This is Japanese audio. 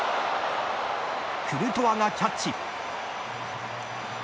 クルトワがキャッチ。